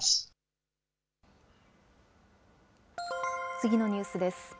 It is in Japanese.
次のニュースです。